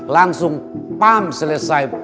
langsung pam selesai